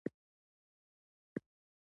ته لوست کوې